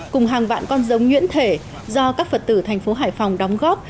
cùng hàng vạn con giống nhuyễn thể do các phật tử thành phố hải phòng đóng góp